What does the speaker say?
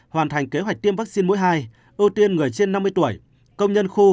hoàn thành kế hoạch tiêm vaccine mũi hai ưu tiên người trên năm mươi tuổi công nhân khu